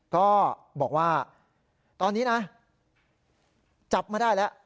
ก็บอกว่าตอนนี้นะจับมาได้แล้ว